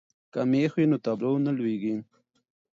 که مېخ وي نو تابلو نه لویږي.